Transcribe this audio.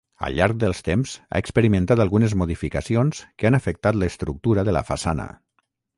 Al llarg del temps ha experimentat algunes modificacions que han afectat l'estructura de la façana.